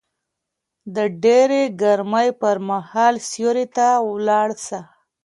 د ډېرې ګرمۍ پر مهال سيوري ته ولاړ شه